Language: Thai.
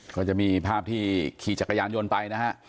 ก็จะมีภาพที่ขี่จักรยานยนต์ไปนะฮะ